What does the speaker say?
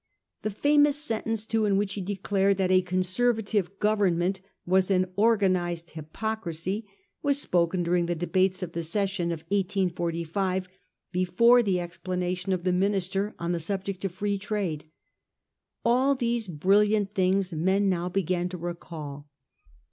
The famous sentence too in which he declared that a Conservative Government was an ' organised hypocrisy/ was spoken during the debates of the Session of 1845, before the explanation of the minister on the subject of Free Trade. All these brilliant things men now began to recall.